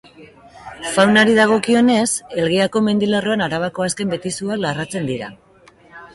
Faunari dagokionez, Elgeako mendilerroan Arabako azken betizuak larratzen dira.